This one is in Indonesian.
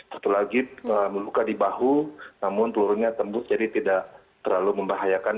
satu lagi meluka di bahu namun pelurunya tembus jadi tidak terlalu membahayakan